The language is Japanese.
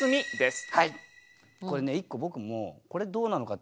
これね１個僕もこれどうなのかって。